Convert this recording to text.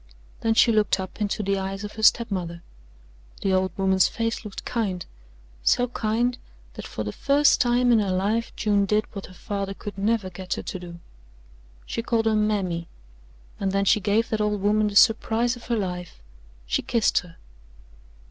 Then she looked up into the eyes of her step mother. The old woman's face looked kind so kind that for the first time in her life June did what her father could never get her to do: she called her "Mammy," and then she gave that old woman the surprise of her life she kissed her.